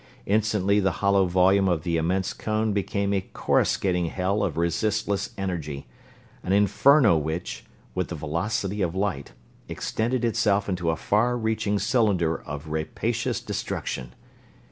Instantly the hollow volume of the immense cone became a coruscating hell of resistless energy, an inferno which, with the velocity of light, extended itself into a far reaching cylinder of rapacious destruction.